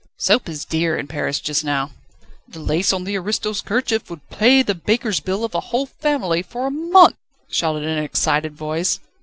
"Soap is dear in Paris just now." "The lace on the aristo's kerchief would pay the baker's bill of a whole family for a month!" shouted an excited voice.